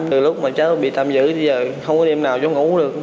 từ lúc mà cháu bị tâm dữ giờ không có đêm nào giống ngủ được